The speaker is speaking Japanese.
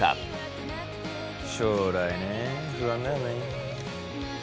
将来ね不安だよね。